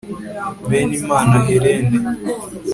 benimana hélène